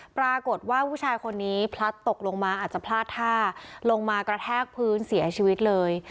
ปรากฏว่าผู้ชายคนนี้พลัดตกลงมาอาจจะพลาดท่าลงมากระแทกพื้นเสียชีวิตเลย